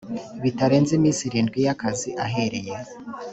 bitarenze iminsi irindwi y’ akazi ahereye